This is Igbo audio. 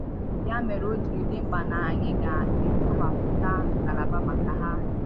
Ya mere o jiri dị mkpa na anyị ga-ekewàpụta ngalaba maka ha